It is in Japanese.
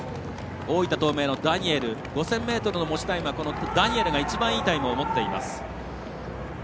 大分東明のダニエル５０００ｍの持ちタイムはダニエルが一番いいタイムを持っています。